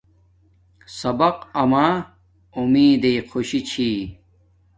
سبق اما امیدݵ خوشی چھی